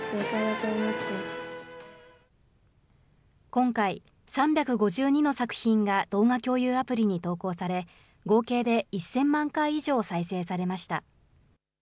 今回、３５２の作品が動画共有アプリに投稿され、合計で１０００万回以上再生されました。